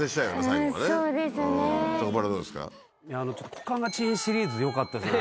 「股間がチン」シリーズよかったですね。